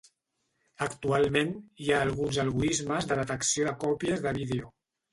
Actualment hi ha alguns algorismes de detecció de còpies de vídeo.